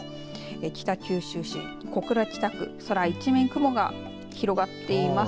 北九州市小倉北区空一面、雲が広がっています。